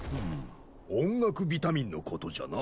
音楽ビタミンのことじゃな。